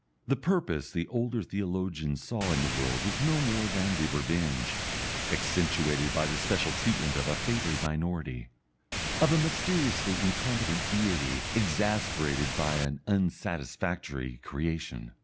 The purpose the older theologians saw in the world was no more than the revenge accentuated by the special treatment of a favoured minority of a mysteriously incompetent Deity exasperated by an unsatisfactory creation.